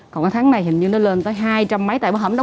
còn tháng này hình như nó lên tới hai trăm linh mấy